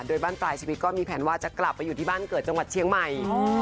โดยบ้านปลายชีวิตก็มีแผนว่าจะกลับไปอยู่ที่บ้านเกิดจังหวัดเชียงใหม่